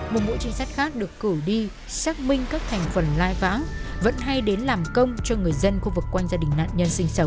một mũi trinh sát khác được cử đi xác minh các thành phần lai vãng vẫn hay đến làm công cho người dân khu vực quanh gia đình nạn nhân sống